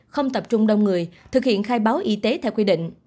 không tập trung đông người thực hiện khai báo y tế theo quy định